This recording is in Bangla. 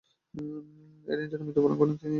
তিনি এডিনবরায় মৃত্যুবরণ করেন।